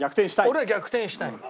俺は逆転したい。